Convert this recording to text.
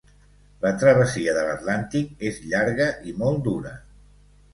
La travessia de l'Atlàntic és llarga i molt dura.